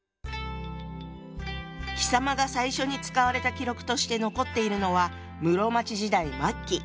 「貴様」が最初に使われた記録として残っているのは室町時代末期。